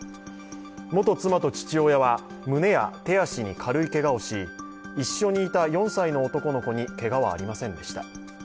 元妻と父親は胸や手足に軽いけがをし一緒にいた４歳の男の子にけがはありませんでした。